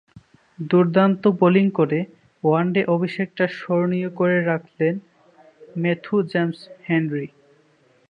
দুর্দান্ত বোলিং করে ওয়ানডে অভিষেকটা স্মরণীয় করে রাখলেন ম্যাথু জেমস হেনরি।